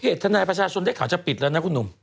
ทนายประชาชนได้ข่าวจะปิดแล้วนะคุณหนุ่ม